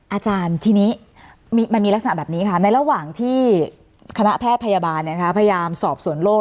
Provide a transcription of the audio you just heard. อาจารย์ทีนี้มันมีลักษณะแบบนี้ค่ะในระหว่างที่คณะแพทย์พยาบาลพยายามสอบสวนโรค